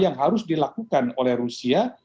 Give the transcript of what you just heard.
yang harus dilakukan oleh rusia